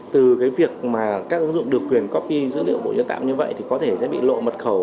từ cái việc mà các ứng dụng được quyền copy dữ liệu bộ y tế như vậy thì có thể sẽ bị lộ mật khẩu